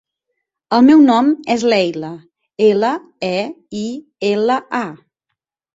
El meu nom és Leila: ela, e, i, ela, a.